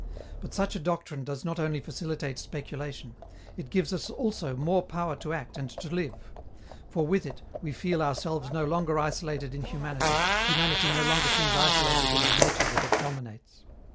But such a doctrine does not only facilitate speculation; it gives us also more power to act and to live. For, with it, we feel ourselves no longer isolated in humanity, humanity no longer seems isolated in the nature that it dominates.